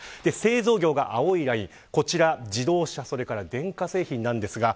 製造業が青いライン自動車や電気製品です。